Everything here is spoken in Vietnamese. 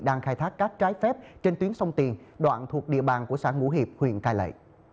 đang khai thác cát trái phép trên tuyến sông tiền đoạn thuộc địa bàn của xã ngũ hiệp huyện cai lệ